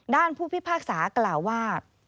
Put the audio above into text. ผู้พิพากษากล่าวว่า